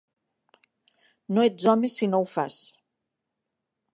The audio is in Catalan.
No ets home si no ho fas!